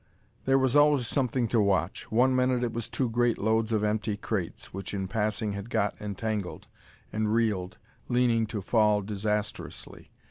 There was always something to watch. One minute it was two great loads of empty crates, which in passing had got entangled, and reeled, leaning to fall disastrously.